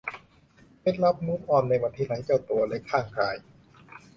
เคล็ดลับมูฟออนในวันที่ไร้เจ้าตัวเล็กข้างกาย